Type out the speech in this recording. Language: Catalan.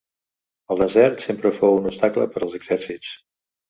El desert sempre fou un obstacle per als exèrcits.